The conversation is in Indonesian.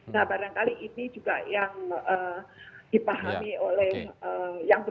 nah barangkali ini juga yang dipahami oleh yang berbeda